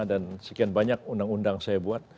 dan sekian banyak undang undang saya buat